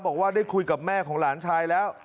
บอกว่าได้คุยกับแม่ของหลานชายแล้ว